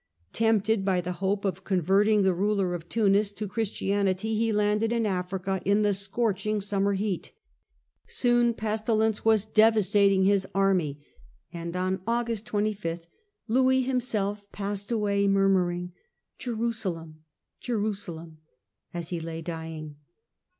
Tempted by the hope of converting the ruler of Tunis to Christianity, he landed in Africa in the scorching summer heat. Soon pestilence was devastating his army, and on August 25 Louis himself passed away, murmuring, " Jerusalem ! Jerusalem !" as he lay dying.